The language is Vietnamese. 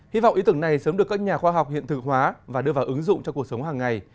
hy vọng ý tưởng này sớm được các nhà khoa học hiện thực hóa và đưa vào ứng dụng cho cuộc sống hàng ngày